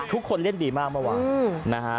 ทุกคนเล่นดีมากเมื่อวานนะฮะ